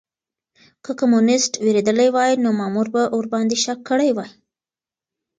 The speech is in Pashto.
که کمونيسټ وېرېدلی وای نو مامور به ورباندې شک کړی وای.